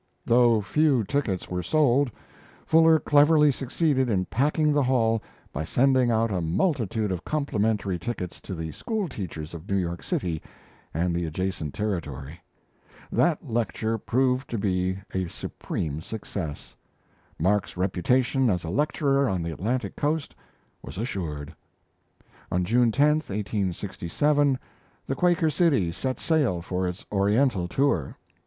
Though few tickets were sold, Fuller cleverly succeeded in packing the hall by sending out a multitude of complimentary tickets to the school teachers of New York City and the adjacent territory. That lecture proved to be a supreme success Mark's reputation as a lecturer on the Atlantic coast was assured. On June 10, 1867, the Quaker City set sail for its Oriental tour.